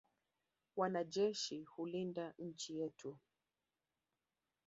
Wanajeshi hulinda nchi yetu.